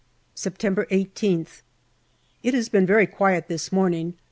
September 18th. It has been very quiet this morning.